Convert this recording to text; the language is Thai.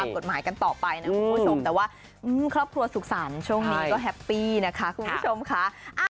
กฎหมายกันต่อไปนะคุณผู้ชมแต่ว่าครอบครัวสุขสรรค์ช่วงนี้ก็แฮปปี้นะคะคุณผู้ชมค่ะ